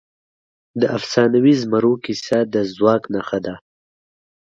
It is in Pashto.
د افسانوي زمرو کیسه د ځواک نښه ده.